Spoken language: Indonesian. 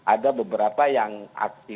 ada beberapa yang aksi